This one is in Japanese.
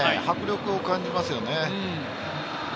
迫力を感じますよね。